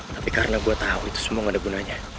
tapi karena gue tau itu semua gak ada gunanya